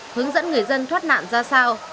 hướng dẫn người dân thoát nạn ra sao